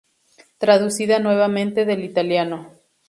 Traducida nuevamente del italiano.